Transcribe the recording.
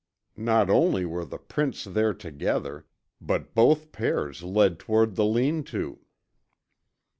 Not only were the prints there together, but both pairs led toward the lean to.